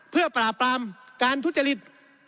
เพื่อปราบปรามการทุจริต